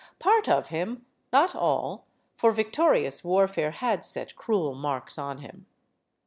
Part of him ; not all for victorious warfare had set cruel marks on him.